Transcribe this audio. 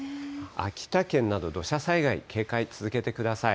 秋田県など、土砂災害、警戒続けてください。